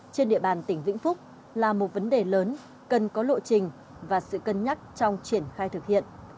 trên địa bàn tỉnh vĩnh phúc là một vấn đề lớn cần có lộ trình và sự cân nhắc trong triển khai thực hiện